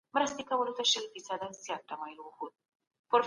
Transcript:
موږ به په دې وخت کي په خوب کي یو.